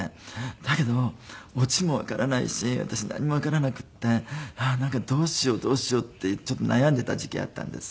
だけどオチもわからないし私なんにもわからなくってなんかどうしようどうしようってちょっと悩んでいた時期あったんです。